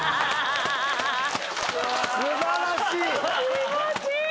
気持ちいい。